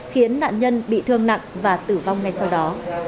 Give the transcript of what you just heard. khiến nạn nhân bị thương nặng và tử vong ngay sau đó